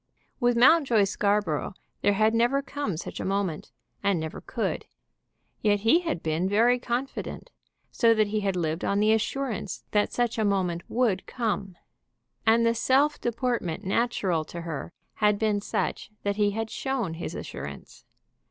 With Mountjoy Scarborough there had never come such a moment, and never could; yet he had been very confident, so that he had lived on the assurance that such a moment would come. And the self deportment natural to her had been such that he had shown his assurance.